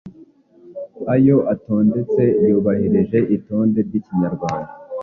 Ayo atondetse yubahirije itonde ry’Ikinyarwanda.